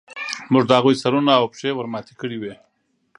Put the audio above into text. موږ د هغوی سرونه او پښې ورماتې کړې وې